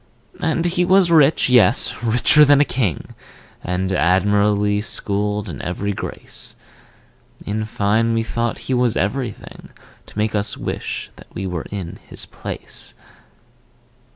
And he was rich, yes, richer than a king, And admirably schooled in every grace: In fine, we thought that he was everything To make us wish that we were in his place.